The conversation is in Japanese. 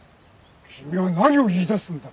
君は何を言い出すんだ！